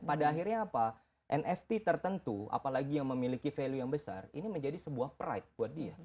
pada akhirnya apa nft tertentu apalagi yang memiliki value yang besar ini menjadi sebuah pride buat dia